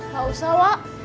gak usah wak